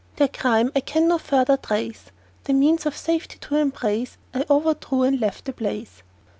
Their crime I can no further trace The means of safety to embrace, I overdrew and left the place.